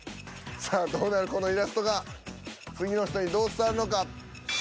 さあどうなるこのイラストが次の人にどう伝わるのか。